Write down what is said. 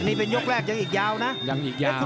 นี่เป็นยกแรกยังอีกยาวนะยังอีกยาว